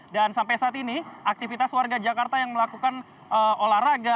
dan sampai saat ini aktivitas warga jakarta yang melakukan olahraga